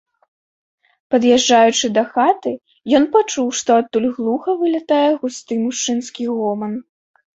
Пад'язджаючы да хаты, ён пачуў, што адтуль глуха вылятае густы мужчынскі гоман.